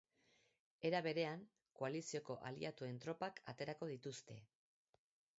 Era berean, koalizioko aliatuen tropak aterako dituzte.